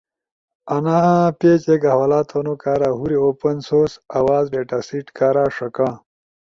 انا پیج ایک حوالا تھونو کارا ہورے اوپن سورس آواز ڈیٹاسیٹ کارا ݜکا،